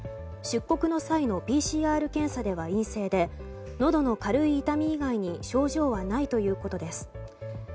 出国の際のＰＣＲ検査では陰性でのどの軽い痛み以外に症状はないということです。